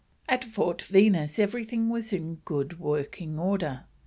At Fort Venus everything was in good working order.